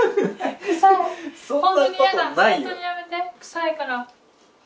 臭いから。